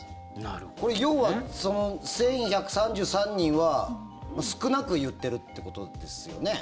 これ、要はその１１３３人は少なく言ってるってことですよね？